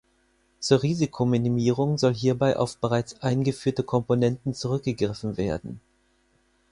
Zur Risikominimierung soll hierbei auf bereits eingeführte Komponenten zurückgegriffen werden.